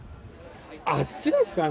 あっちですかね？